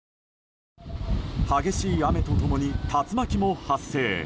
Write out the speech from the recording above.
激しい雨と共に竜巻も発生。